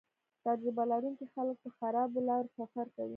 تجربه لرونکي خلک په خرابو لارو سفر کوي